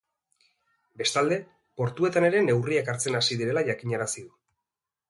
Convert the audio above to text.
Bestalde, portuetan ere neurriak hartzen hasi direla jakinarazi du.